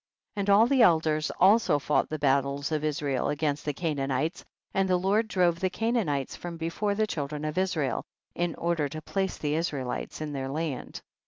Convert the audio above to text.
13. And all the elders also fought the battles of Israel against the Ca naanites, and the Lord drove the Ca naanites from before the children of Israel, in order to place the Israelites in their land.